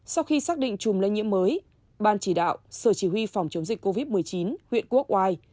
sau khi xác định chùm lây nhiễm mới ban chỉ đạo sở chỉ huy phòng chống dịch covid một mươi chín huyện quốc oai